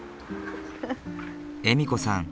笑子さん